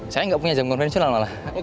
saya nggak punya jam konvensional malah